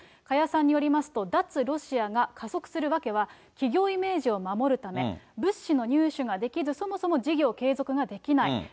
加谷さんによりますと、脱ロシアが加速する訳は、企業イメージを守るため、物資の入手ができる、そもそも事業継続ができない。